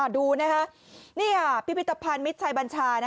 ดูนี่พิพิทธพันธ์มิตรชายบรรชา